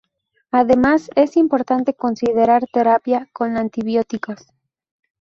Además, es importante considerar terapia con antibióticos.